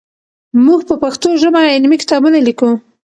موږ په پښتو ژبه علمي کتابونه لیکو.